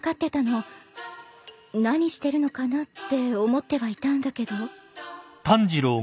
何してるのかなって思ってはいたんだけど。